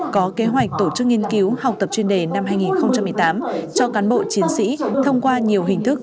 có kế hoạch tổ chức nghiên cứu học tập chuyên đề năm hai nghìn một mươi tám cho cán bộ chiến sĩ thông qua nhiều hình thức